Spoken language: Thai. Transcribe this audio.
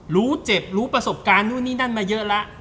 รู้เจ็บรู้ประสบการณ์นู่นนี่นั่นมาเยอะแล้ว